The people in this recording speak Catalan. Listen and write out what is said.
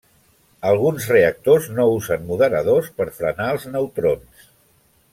Alguns reactors no usen moderadors per frenar els neutrons.